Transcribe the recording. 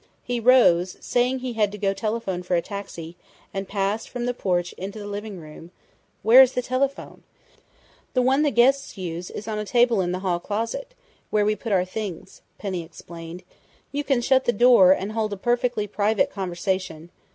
He rose, saying he had to go telephone for a taxi, and passed from the porch into the living room " "Where is the telephone?" "The one the guests use is on a table in the hall closet, where we put our things," Penny explained. "You can shut the door and hold a perfectly private conversation....